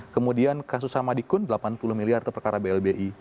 kemudian kasus samadikun delapan puluh miliar itu perkara blbi